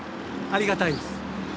ありがたいです。